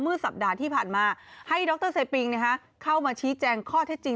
สัปดาห์ที่ผ่านมาให้ดรเซปิงเข้ามาชี้แจงข้อเท็จจริง